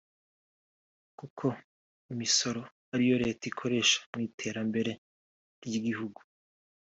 kuko imisoro ari iyo leta ikoresha mu iterambere ry’igihugu